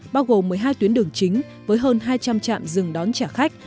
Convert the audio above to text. bao gồm một mươi hai tuyến đường chính với hơn hai trăm linh trạm dừng đón trả khách